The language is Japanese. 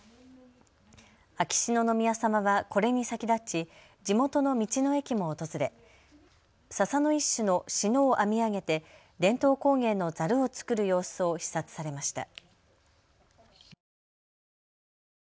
秋篠宮さまはこれに先立ち地元の道の駅も訪れ、ささの一種のしのを編み上げて伝統工芸のざるを作る様子を視察されました。